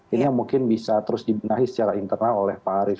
ini yang mungkin bisa terus dibenahi secara internal oleh pak arief